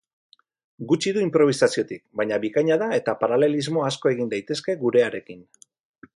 Gutxi du inprobisaziotik, baina bikaina da eta paralelismo asko egin daitezke gurearekin.